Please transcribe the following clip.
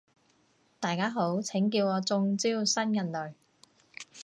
大家好，請叫我中招新人類